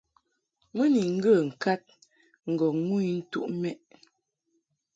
Mɨ ni ŋgə ŋkad ŋgɔŋ ŋu intuʼ mɛ›.